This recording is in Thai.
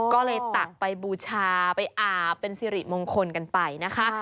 ก็เลยตักไปบูชาไปอาบเป็นสิริมงคลกันไปนะคะ